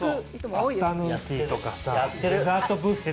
アフタヌーンティーとかさデザートビュッフェとか。